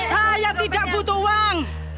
saya tidak butuh uang